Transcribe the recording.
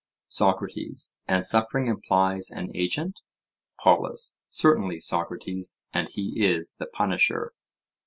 SOCRATES: And suffering implies an agent? POLUS: Certainly, Socrates; and he is the punisher.